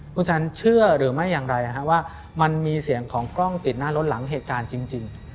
คุณแซนเชื่อหรือไม่อย่างไรว่ามันมีเสียงของกล้องติดหน้ารถหลังเหตุการณ์จริง